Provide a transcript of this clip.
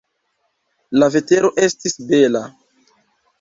La vetero estis bela.